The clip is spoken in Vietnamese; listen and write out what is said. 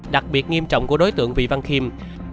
đặc biệt nghiêm trọng của đối tượng vị văn khiêm